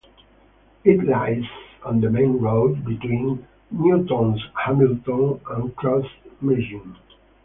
It lies on the main road between Newtownhamilton and Crossmaglen.